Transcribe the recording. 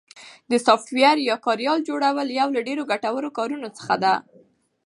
د سافټویر یا کاریال جوړل یو له ډېرو ګټورو کارونو څخه ده